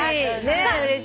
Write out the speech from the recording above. うれしい！